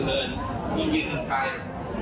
ขอขอบคุณครับ